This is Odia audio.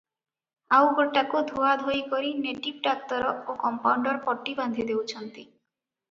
ଆଉ ଗୋଟାକୁ ଧୁଆଧୋଇ କରି ନେଟିଭ ଡାକ୍ତର ଓ କମ୍ପାଉଣ୍ତର ପଟି ବାନ୍ଧିଦେଉଛନ୍ତି ।